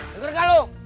dengar kan lo